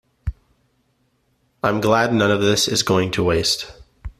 I'm glad none of this is going to waste.